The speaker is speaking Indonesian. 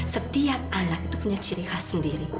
setiap anak itu punya ciri khas sendiri